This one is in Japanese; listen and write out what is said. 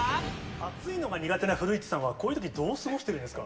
暑いのが苦手な古市さんは、こういうとき、どう過ごしてるんですか？